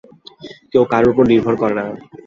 কেউ কারুর উপর নির্ভর করে না।